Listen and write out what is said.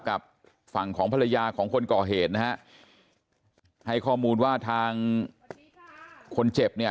กับฝั่งของภรรยาของคนก่อเหตุนะฮะให้ข้อมูลว่าทางคนเจ็บเนี่ย